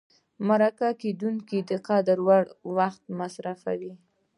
مرکه کېدونکی د قدر وړ وخت مصرفوي.